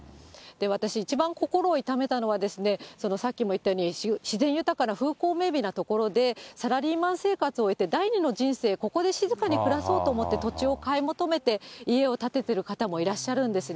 私、一番心を痛めたのは、さっきも言ったように、自然豊かな風光明媚な所で、サラリーマン生活を終えて、第二の人生、ここで静かに暮らそうと思って、土地を買い求めて、家を建ててる方もいらっしゃるんですね。